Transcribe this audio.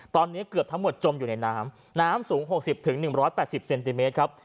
ตอนนี้เกือบทั้งหมดจมอยู่ในน้ำน้ำสูงหกสิบถึงหนึ่งร้อยแปดสิบเซนติเมตรครับ